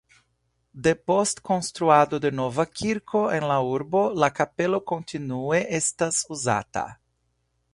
Depost konstruado de nova kirko en la urbo la kapelo kontinuue estas uzata.